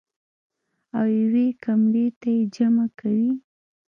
او يوې کمرې ته ئې جمع کوي -